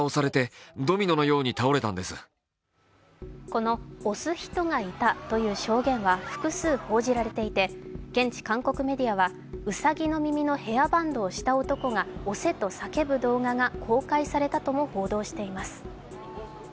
この押す人がいたという証言は複数、報じられていて現地韓国メディアはうさぎの耳のヘアバンドをした男が押せと叫ぶ動画が公開されたとも報道しています。